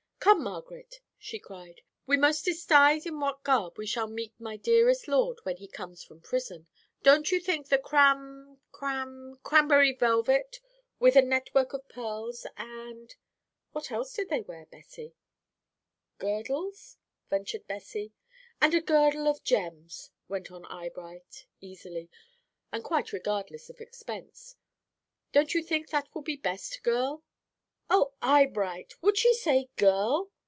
"'Come, Margaret,' she cried, 'we most decide in what garb we shall greet my dearest lord when he comes from prison. Don't you think the cram cram cramberry velvet, with a net work of pearls, and,' what else did they wear, Bessie?" "Girdles?" ventured Bessie. "'And a girdle of gems,'" went on Eyebright, easily, and quite regardless of expense. "'Don't you think that will be best, girl?'" "Oh, Eyebright, would she say 'girl?'"